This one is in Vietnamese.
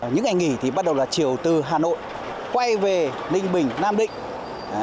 những ngày nghỉ thì bắt đầu là chiều từ hà nội quay về ninh bình nam định